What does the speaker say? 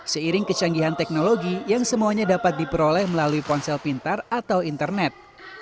seiring kecanggihan teknologi yang semuanya dapat diperoleh melalui ponsel pintar atau internet